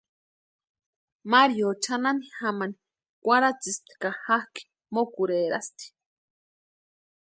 Mario chʼanani jamani kwarhatsïspti ka jakʼi mokʼurherasti.